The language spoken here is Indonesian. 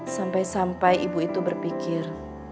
sampai sampai ibu itu berpikir